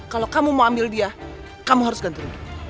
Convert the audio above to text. kalau kamu mau ambil dia kamu harus ganti rugi